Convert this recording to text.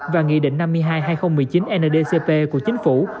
và nghị định năm mươi hai hai nghìn một mươi chín ndcp của chính phủ